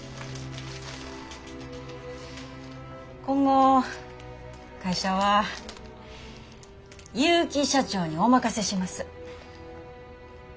今後会社は結城社長にお任せします。